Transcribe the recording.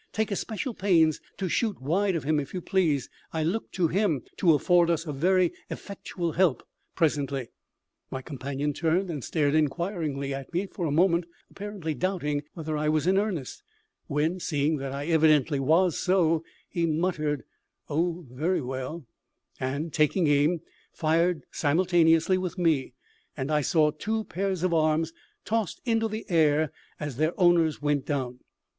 "Take especial pains to shoot wide of him, if you please. I look to him to afford us very effectual help presently." My companion turned and stared inquiringly at me for a moment, apparently doubting whether I was in earnest; when, seeing that I evidently was so, he muttered "Oh, very well," and, taking aim, fired simultaneously with me; and I saw two pairs of arms tossed into the air as their owners went down.